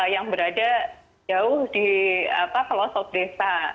yang berada jauh di pelosok desa